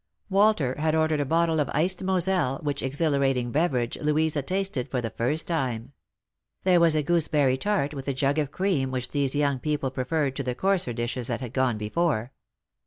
"Walter had ordered a bottle of iced Moselle, which exhilarating beverage Louisa tasted for the first time. There was a gooseberry tart with a jug of cream which these young people preferred to the coarser dishes that had gone before.